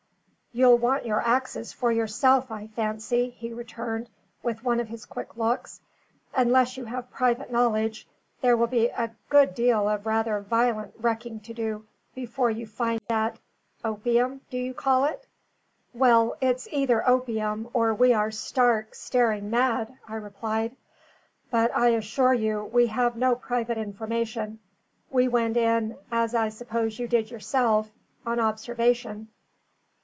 "You'll want your axes for yourself, I fancy," he returned, with one of his quick looks. "Unless you have private knowledge, there will be a good deal of rather violent wrecking to do before you find that opium, do you call it?" "Well, it's either opium, or we are stark, staring mad," I replied. "But I assure you we have no private information. We went in (as I suppose you did yourself) on observation."